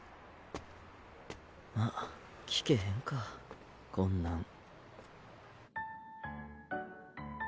まっ効けへんかこんなん。